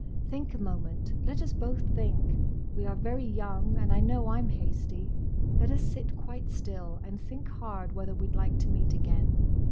"Think a moment. Let us both think. We are very young, and I know I 'm hasty. Let us sit quite still, and think hard whether we 'd like to meet again.